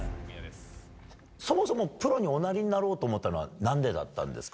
そもそもプロにおなりになろうと思ったのは、なんでだったんですか。